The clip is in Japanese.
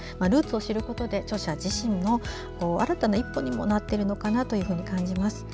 ルーツを知ることで著者自身の新たな一歩にもなっているのかなと感じます。